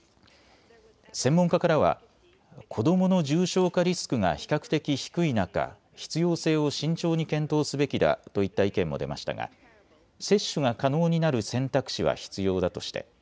専門家からは子どもの重症化リスクが比較的低い中、必要性を慎重に検討すべきだといった意見も出ましたが接種が可能になる選択肢は必要だとして